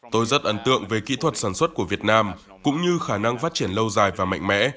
tôi rất ấn tượng về kỹ thuật sản xuất của việt nam cũng như khả năng phát triển lâu dài và mạnh mẽ